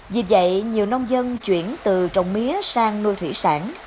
vì vậy nhiều nông dân chuyển từ trồng mía sang nuôi thủy sản